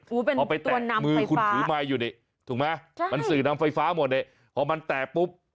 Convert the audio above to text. อู๋เป็นตัวนำไฟฟ้าเอาไปแตะมือคุณผู้ไม้อยู่นี่ถูกไหมมันสื่อนำไฟฟ้าหมดนี่เพราะมันแตะปุ๊บ